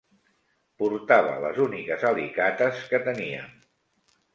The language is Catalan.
Portava les úniques alicates que teníem